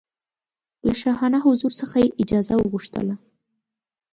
له شاهانه حضور څخه یې اجازه وغوښتله.